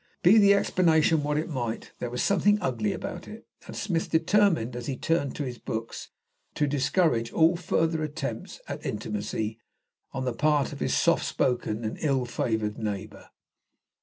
Be the explanation what it might, there was something ugly about it, and Smith determined, as he turned to his books, to discourage all further attempts at intimacy on the part of his soft spoken and ill favoured neighbour.